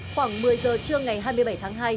khoảng một mươi giờ trưa ngày hai mươi bảy tháng hai